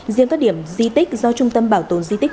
riêng các điểm di tích do trung tâm bảo tồn di tích